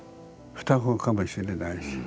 双子かもしれないし。